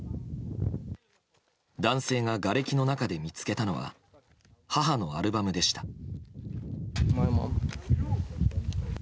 男性ががれきの中で見つけたのは母のアルバムでした。